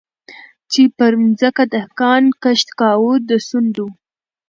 چي پر مځکه دهقان کښت کاوه د سونډو